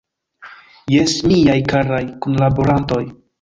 Jes, miaj karaj kunlaborantoj!